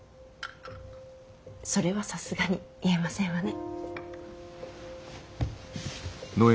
それはさすがに言えませんわね。